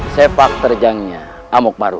sepak terjangnya amukmaru